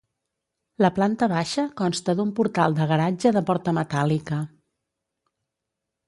La planta baixa consta d'un portal de garatge de porta metàl·lica.